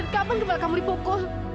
kapan kamu dibunuh